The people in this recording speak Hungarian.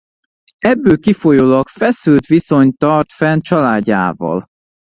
Ebből kifolyólag feszült viszonyt tart fenn családjával.